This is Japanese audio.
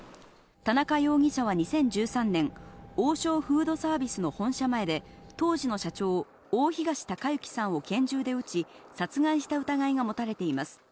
田中容疑者は２０１３年、王将フードサービスの本社前で、当時の社長、大東隆行さんを拳銃で撃ち、殺害した疑いが持たれています。